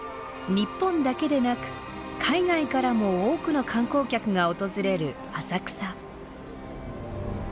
日本だけでなく海外からも多くの観光客が訪れる浅草。